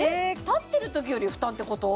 立ってるときより負担ってこと？